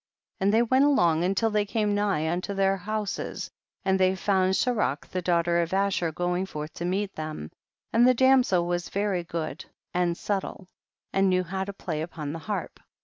92. And they went along until they came nigh unto their houses, and they found Serach, the daughter of Asher, going forth to meet them, and the damsel was very good and subtle, and knew how to play upon the harp, 93.